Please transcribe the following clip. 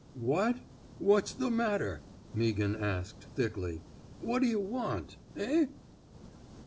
'' What! What's the matter? '' Meaghan asked, thickly. What d'yuh want! ... Eh?''